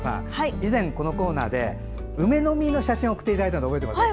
以前このコーナーで梅の実の写真を送ってもらったの覚えてますか。